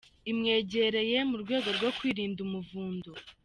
imwegereye mu rwego rwo kwirinda umuvundo.